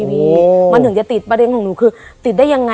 หมายถึงว่าเปิดเอง๓ครั้ง